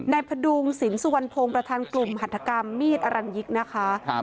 พดุงสินสุวรรณพงศ์ประธานกลุ่มหัฐกรรมมีดอรัญยิกนะคะ